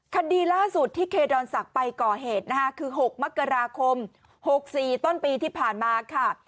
คดีล่าสุดที่เคดอนศักดิ์ไปก่อเหตุนะคะคือ๖มกราคม๖๔ต้นปีที่ผ่านมาค่ะ